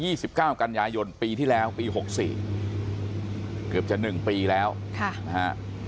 สิบเก้ากันยายนปีที่แล้วปีหกสี่เกือบจะหนึ่งปีแล้วค่ะนะฮะ